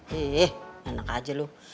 heeeh enak aja lu